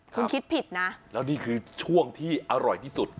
คุณคิดผิดนะแล้วนี่คือช่วงที่อร่อยที่สุด